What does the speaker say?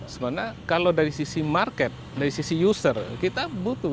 sebenarnya kalau dari sisi market dari sisi user kita butuh